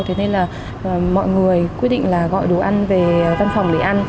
thế nên là mọi người quyết định gọi đồ ăn về văn phòng lấy ăn